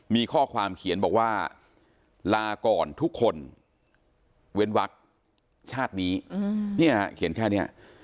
มีข้อความเขียนบอกว่าลาก่อนทุกคนเว้นวักชาตินี้เนี่ยเขียนแค่นี้